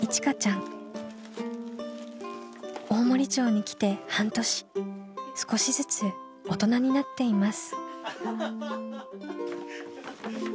大森町に来て半年少しずつ大人になっています。